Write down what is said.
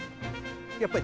やっぱり。